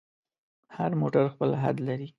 هر موټر خپل حد لري.